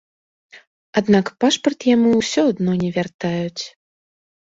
Аднак пашпарт яму ўсё адно не вяртаюць.